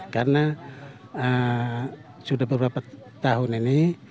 karena sudah beberapa tahun ini